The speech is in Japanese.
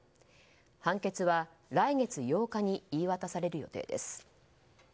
判決は来月８日に言い渡される予定です。